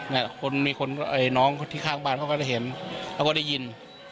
เนี้ยคนมีคนเอ่อห์น้องต์ที่ข้างบ้านเขาก็ได้เห็นเราก็ได้ยิน